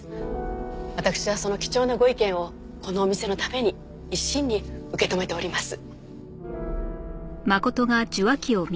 私はその貴重なご意見をこのお店のために一身に受け止めております。